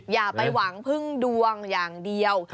อย่าไปหวังพึ่งดวงอย่างเดียว